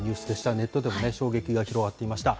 ネットでも衝撃が広がっていました。